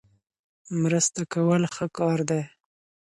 مرسته کول ښه کار دی.